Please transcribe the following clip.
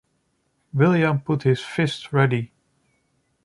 William put his fists ready.